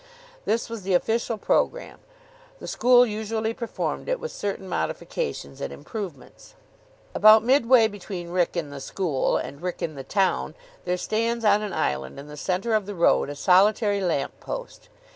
This was the official programme. The school usually performed it with certain modifications and improvements. About midway between Wrykyn, the school, and Wrykyn, the town, there stands on an island in the centre of the road a solitary lamp post.